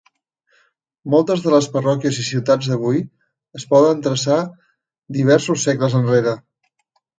Moltes de les parròquies i ciutats d'avui es poden traçar diversos segles enrere.